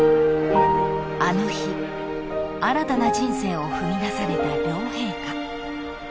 ［あの日新たな人生を踏み出された両陛下］